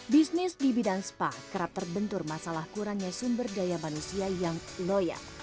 bisnis di bidang spa kerap terbentur masalah kurangnya sumber daya manusia yang loyal